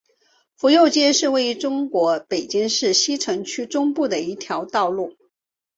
府右街是位于中国北京市西城区中部的一条道路。